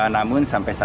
namun sampai sekarang